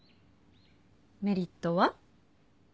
メリットは？